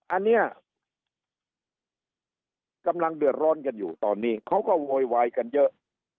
อันนี้กำลังเดือดร้อนกันอยู่ตอนนี้เขาก็โวยวายกันเยอะ